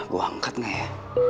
gue angkat gak ya